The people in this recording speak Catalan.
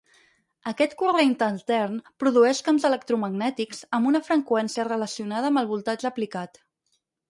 Aquest corrent altern produeix camps electromagnètics amb una freqüència relacionada amb el voltatge aplicat.